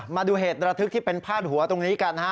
มาดูเหตุระทึกที่เป็นพาดหัวตรงนี้กันนะฮะ